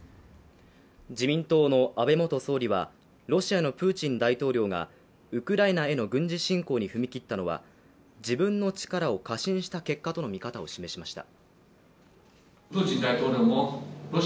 自民党の安倍元総理はロシアのプーチン大統領がウクライナへの軍事侵攻に踏み切ったのは自分の力を過信した結果との見方を示しました。